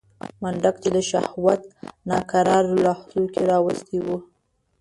منډک چې د شهوت ناکرار لحظو کې راوستی و.